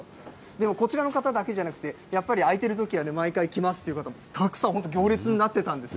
でも、こちらの方だけじゃなくて、やっぱり開いてるときはね、毎回来ますということで、たくさん、本当行列になってたんです。